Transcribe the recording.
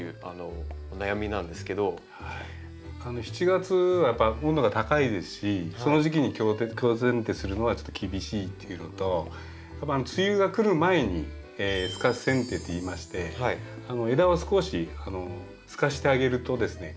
７月はやっぱ温度が高いですしその時期に強せん定するのはちょっと厳しいっていうのとやっぱ梅雨がくる前に透かしせん定といいまして枝を少し透かしてあげるとですね